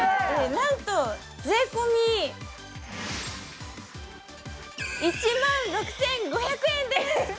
なんと、税込み１万６５００円です！